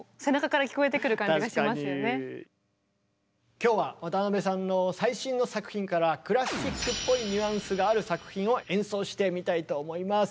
今日は渡辺さんの最新の作品からクラシックっぽいニュアンスがある作品を演奏してみたいと思います。